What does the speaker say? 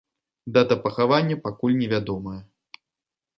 Дата пахавання пакуль невядомая.